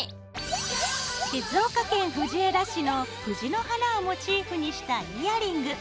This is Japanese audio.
静岡県藤枝市の「藤の花」をモチーフにしたイヤリング。